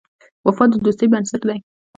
وفا د دوستۍ بنسټ دی.